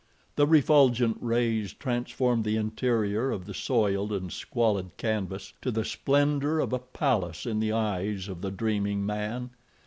The refulgent rays transformed the interior of the soiled and squalid canvas to the splendor of a palace in the eyes of the dreaming man.